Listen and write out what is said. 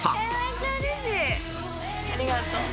ありがとう。